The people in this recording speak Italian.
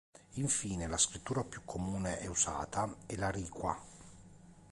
Infine, la scrittura più comune e usata è la "riq'a".